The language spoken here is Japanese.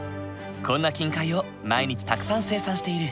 こんな金塊を毎日たくさん生産している。